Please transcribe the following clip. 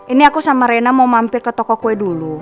ini aku sama rena mau mampir ke toko kue dulu